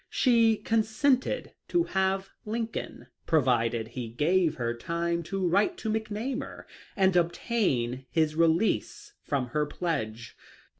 She consented to have Lincoln, provided he gave her time to write to McNamar and obtain his release from her pledge.